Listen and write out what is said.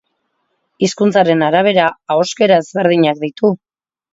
Hizkuntzaren arabera ahoskera ezberdinak ditu.